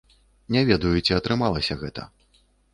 Не ведаю, ці атрымалася гэта.